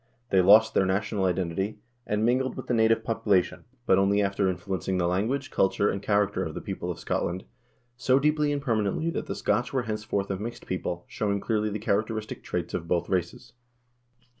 They lost their national identity, and mingled with the native population, but only after influencing the language, culture, and character of the people of Scotland so deeply and permanently that the Scotch were henceforth a mixed people, showing clearly the characteristic traits of both races.